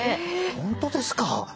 本当ですか！